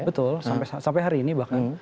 betul sampai hari ini bahkan